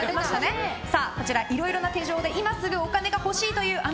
こちらいろいろな事情で今すぐお金が欲しいという方